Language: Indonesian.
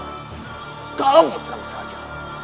kau yang terlalu saja